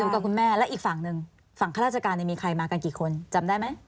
กับคุณแม่และอีกฝั่งหนึ่งฝั่งข้าราชการมีใครมากันกี่คนจำได้ไหม